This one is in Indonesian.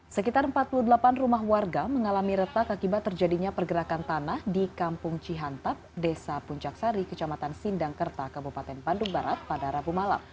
sekitar empat puluh delapan rumah warga mengalami retak akibat terjadinya pergerakan tanah di kampung cihantap desa puncak sari kecamatan sindangkerta kabupaten bandung barat pada rabu malam